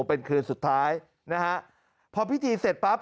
เป็นคืนสุดท้ายนะฮะพอพิธีเสร็จปั๊บ